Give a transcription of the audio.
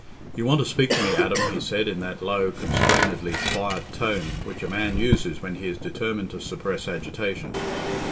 "You want to speak to me, Adam," he said, in that low constrainedly quiet tone which a man uses when he is determined to suppress agitation.